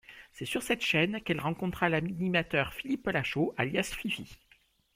C'est sur cette chaine qu'elle rencontra l'animateur Philippe Lacheau, alias Fifi.